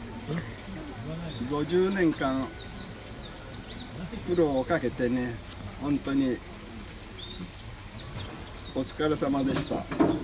５０年間、苦労をかけてね、本当にお疲れさまでした。